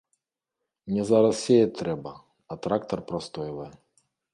Мне зараз сеяць трэба, а трактар прастойвае.